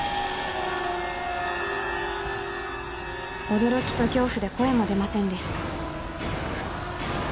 驚きと恐怖で声も出ませんでした